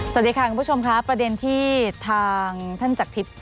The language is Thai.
สวัสดีค่ะคุณผู้ชมค่ะประเด็นที่ทางท่านจักรทิพย์